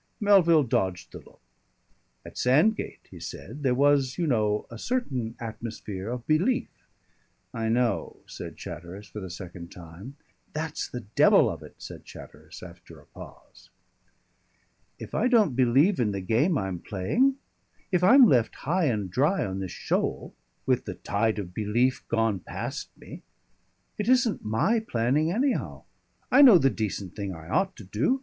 Melville dodged the look. "At Sandgate," he said, "there was, you know, a certain atmosphere of belief " "I know," said Chatteris for the second time. "That's the devil of it!" said Chatteris after a pause. "If I don't believe in the game I'm playing, if I'm left high and dry on this shoal, with the tide of belief gone past me, it isn't my planning, anyhow. I know the decent thing I ought to do.